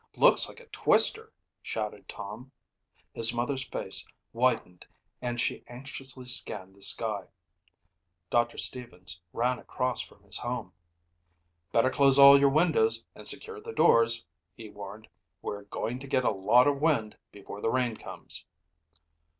"Looks like a twister," shouted Tom. His mother's face whitened and she anxiously scanned the sky. Doctor Stevens ran across from his home. "Better close all your windows and secure the doors," he warned. "We're going to get a lot of wind before the rain comes."